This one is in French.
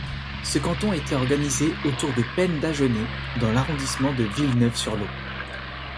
Ce canton était organisé autour de Penne-d'Agenais dans l'arrondissement de Villeneuve-sur-Lot.